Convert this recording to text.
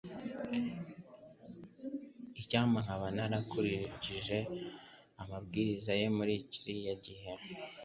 Icyampa nkaba narakurikije amabwiriza ye muri kiriya gihe.